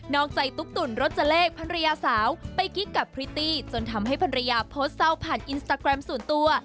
อกใจตุ๊กตุ๋นรจเลขภรรยาสาวไปกิ๊กกับพริตตี้จนทำให้ภรรยาโพสต์เศร้าผ่านอินสตาแกรมส่วนตัว